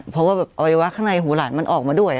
เพราะว่าอวัยวะข้างในหูหลานมันออกมาด้วย